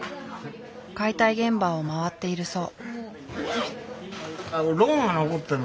解体現場を回っているそう。